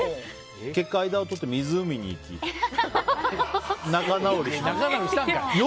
結果、間をとって湖に行き仲直りしたんかい！